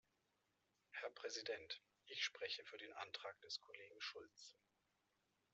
Herr Präsident! Ich spreche für den Antrag des Kollegen Schulz.